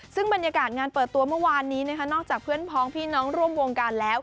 ซึ่งบรรยากาศงานเปิดตัวเมื่อวานนี้นะคะนอกจากเพื่อนพ้องพี่น้องร่วมวงการแล้ว